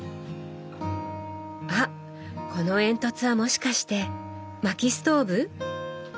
あっこの煙突はもしかして薪ストーブ？